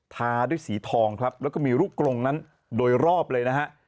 ทาด้วยสีทองครับแล้วก็มีลูกกรงนั้นโดยรอบเลยนะฮะ